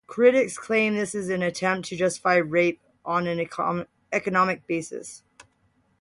Critics claim this is an attempt to justify rape on an economic basis.